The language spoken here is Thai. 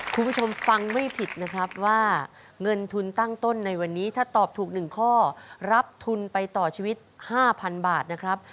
คุณผู้ชมฟังไม่ผิดนะครับว่าเงินทุนตั้งต้นในวันนี้ถ้าตอบถูก๑ข้อรับทุนไปต่อชีวิต๕๐๐๐บาทนะครับ